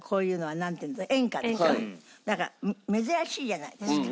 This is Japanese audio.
なんか珍しいじゃないですか。